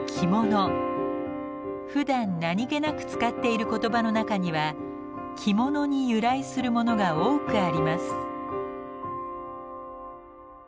ふだん何気なく使っている言葉の中には「着物」に由来するものが多くあります。